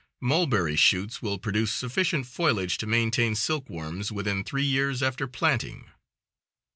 Mulberry shoots will produce sufficient foliage to maintain silk worms within three years after planting.